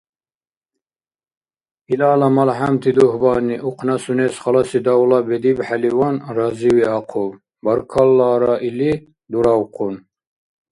Илала малхӏямти дугьбани ухъна сунес халаси давла бедибхӏеливан разивиахъуб, баркаллара или дуравхъун.